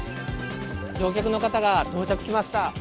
乗客の方が到着しました。